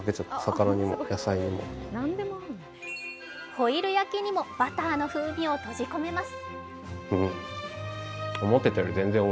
ホイル焼きにもバターの風味を閉じ込めます。